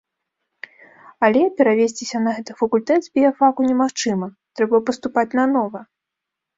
Але перавесціся на гэты факультэт з біяфаку немагчыма, трэба паступаць нанова.